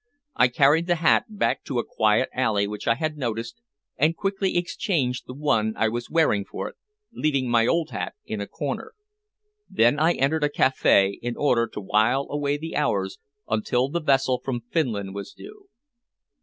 I carried the hat back to a quiet alley which I had noticed, and quickly exchanged the one I was wearing for it, leaving my old hat in a corner. Then I entered a café in order to while away the hours until the vessel from Finland was due.